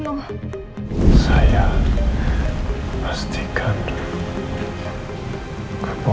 dia tau reina adalah anak nino